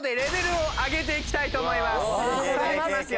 さあいきますよ。